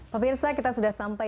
pemirsa kita sudah sampai